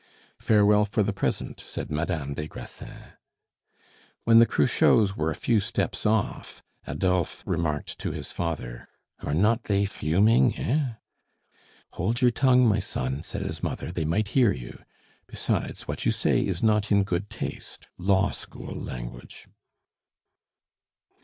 "Farewell for the present!" said Madame des Grassins. When the Cruchots were a few steps off, Adolphe remarked to his father, "Are not they fuming, hein?" "Hold your tongue, my son!" said his mother; "they might hear you. Besides, what you say is not in good taste, law school language."